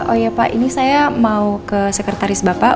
oh iya pak ini saya mau ke sekretaris bapak